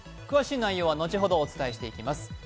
詳しい内容は後ほどお伝えしていきます。